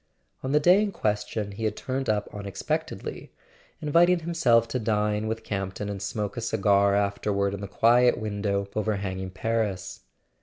On the day in question he had turned up unex¬ pectedly, inviting himself to dine with Camp ton and smoke a cigar afterward in the quiet window over¬ hanging Paris.